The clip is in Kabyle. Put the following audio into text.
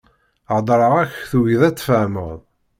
Heddreɣ-ak, tugiḍ ad tfehmeḍ.